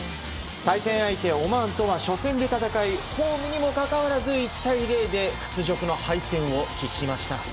対戦相手、オマーンとは初戦で戦いホームにもかかわらず１対０で屈辱の敗戦を喫しました。